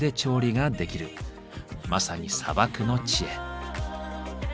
まさに砂漠の知恵。